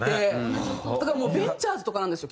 だからベンチャーズとかなんですよ